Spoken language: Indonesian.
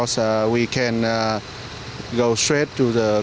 saya pikir ini sangat berguna bagi para jurnalis yang bekerja di asean games